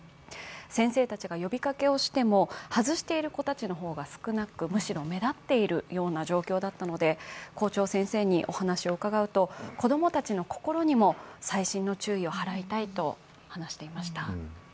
先生たちが呼びかけをしても、外している子たちの方が少なく、むしろ目立っているような状況だったので、校長先生にお話を伺うと子供たちの心にも細心の注意を払いたいと話していました。